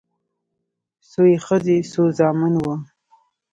څو يې ښځې څو زامن وه